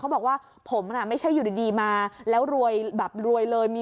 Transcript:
บอกว่าผมน่ะไม่ใช่อยู่ดีมาแล้วรวยแบบรวยเลยมี